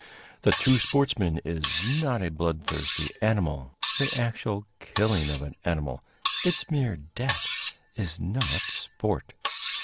The true sportsman is not a blood thirsty animal. The actual killing of an animal, its mere death, is not sport.